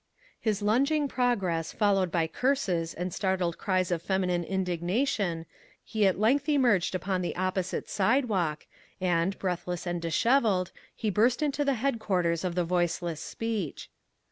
His lunging progress followed by curses and startled cries of feminine indignation, he at length emerged upon the opposite sidewalk, and, breathless and disheveled, he burst into the headquarters of the Voiceless Speech.